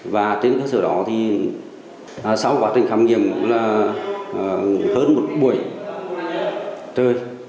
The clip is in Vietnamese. và trên cơ sở đó thì sau quá trình khám nghiệm hơn một buổi trưa